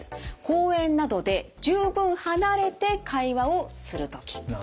公園などで十分離れて会話をする時。